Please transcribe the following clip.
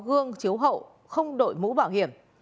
có gương chiếu hậu không đội mũ bảo hiểm